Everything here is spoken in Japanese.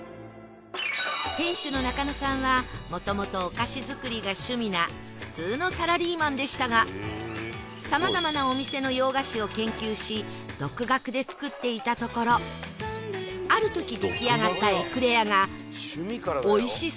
店主の中野さんは元々お菓子作りが趣味な普通のサラリーマンでしたが様々なお店の洋菓子を研究し独学で作っていたところある時出来上がったエクレアが美味しすぎると近所で大評判に